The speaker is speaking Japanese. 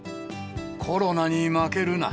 コロナに負けるな。